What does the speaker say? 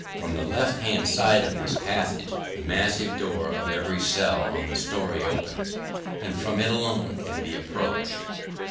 From the left hand side of this passage, the massive door of every cell on the story opens; and from it alone can they be approached.